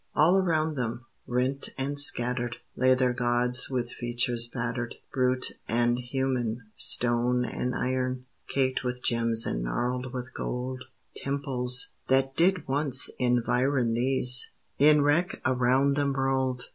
All around them, rent and scattered, Lay their gods with features battered, Brute and human, stone and iron, Caked with gems and gnarled with gold; Temples, that did once environ These, in wreck around them rolled.